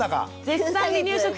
絶賛離乳食期！